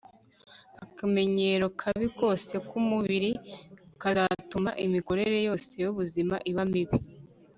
akamenyero kabi kose k'umubiri kazatuma imikorere yose y'ubuzima iba mibi